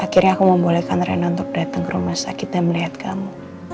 akhirnya aku membolehkan rena untuk datang ke rumah sakit dan melihat kamu